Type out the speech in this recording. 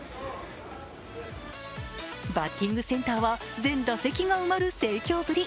バッティングセンターは全打席が埋まる盛況ぶり。